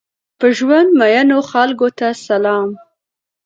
په ژوند مئینو خلکو ته سلام!